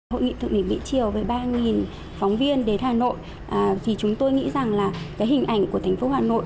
hội nghị thượng đỉnh mỹ triều với ba phóng viên đến hà nội thì chúng tôi nghĩ rằng là cái hình ảnh của thành phố hà nội